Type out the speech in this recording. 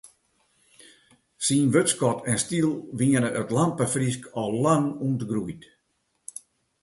Syn wurdskat en styl wiene it lampefrysk allang ûntgroeid.